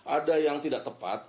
ada yang tidak tepat